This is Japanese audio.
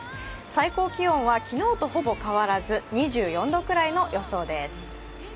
最高気温は昨日とほぼ変わらず２４度くらいの予想です。